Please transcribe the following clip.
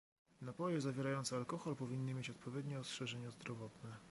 Napoje zawierające alkohol powinny mieć odpowiednie ostrzeżenia zdrowotne